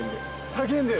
叫んでる？